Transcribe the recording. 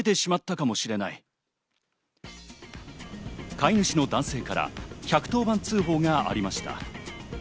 飼い主の男性から１１０番通報がありました。